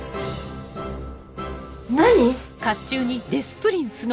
何？